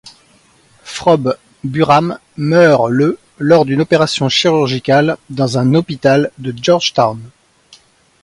Frobes Burham meurt le lors d'une opération chirurgicale dans un hôpital de Georgetown.